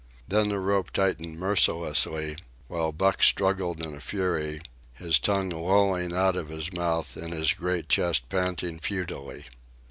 Then the rope tightened mercilessly, while Buck struggled in a fury, his tongue lolling out of his mouth and his great chest panting futilely.